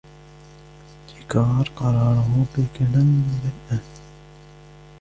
چکار قراره بکنم من الان ؟